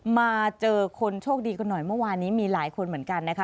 มาเจอคนโชคดีกันหน่อยเมื่อวานนี้มีหลายคนเหมือนกันนะคะ